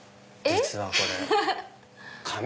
えっ⁉